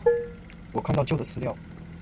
我看到旧的资料